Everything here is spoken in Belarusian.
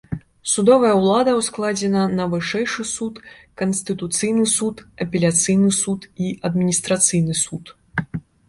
Судовая ўлада ўскладзена на вышэйшы суд, канстытуцыйны суд, апеляцыйны суд і адміністрацыйны суд.